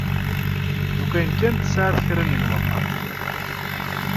Lukan kan tesɛiḍ kra n lweqt.